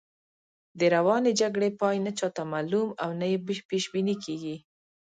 د روانې جګړې پای نه چاته معلوم او نه یې پیش بیني کېږي.